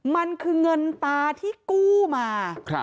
มันคือเงินตาที่กู้มา